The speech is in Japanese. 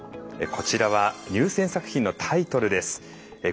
こちらは入選作品のタイトルです。